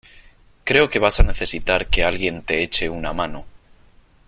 creo que vas a necesitar que alguien te eche una mano